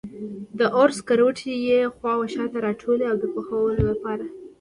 د اور سکروټي یې خوا و شا ته راټولوي د پخولو لپاره.